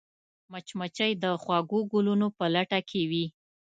مچمچۍ د خوږو ګلونو په لټه کې وي